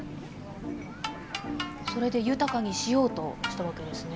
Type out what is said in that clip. それで豊かにしようとしたわけですね。